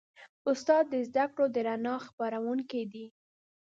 استاد د زدهکړو د رڼا خپروونکی دی.